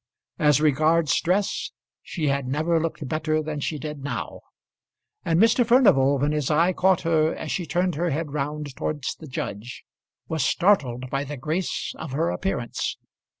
As regards dress, she had never looked better than she did now; and Mr. Furnival, when his eye caught her as she turned her head round towards the judge, was startled by the grace of her appearance.